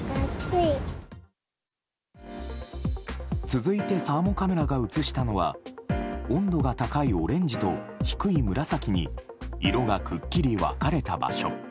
続いてサーモカメラが映したのは温度が高いオレンジと低い紫に色がくっきり分かれた場所。